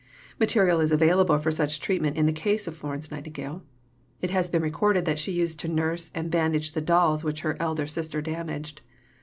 Material is available for such treatment in the case of Florence Nightingale. It has been recorded that she used to nurse and bandage the dolls which her elder sister damaged.